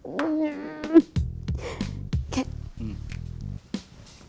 kenapa mulut kamu mangap seperti itu